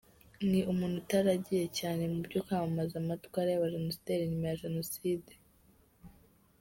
Ni umuntu utaragiye cyane mubyo kwamamaza amatwara y’abajenosideri nyuma ya Jenoside.